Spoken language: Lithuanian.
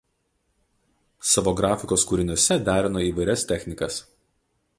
Savo grafikos kūriniuose derino įvairias technikas.